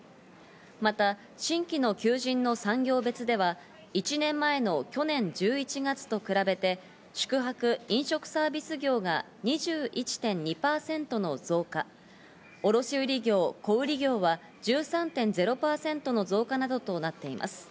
また新規の求人の産業別では１年前の去年１１月と比べて宿泊・飲食サービス業が２１．２％の増加、卸売業、小売業は１３．０％の増加などとなっています。